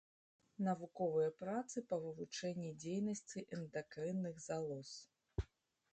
Навуковыя працы па вывучэнні дзейнасці эндакрынных залоз.